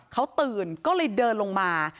เขาตื่นก็เลยเดินลงมา